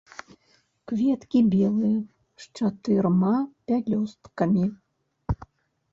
Кветкі белыя, з чатырма пялёсткамі.